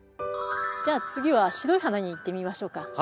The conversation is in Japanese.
じゃあ次は白い花にいってみましょうか。